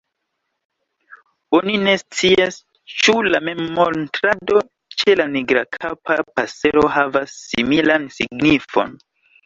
Oni ne scias ĉu la memmontrado ĉe la Nigrakapa pasero havas similan signifon.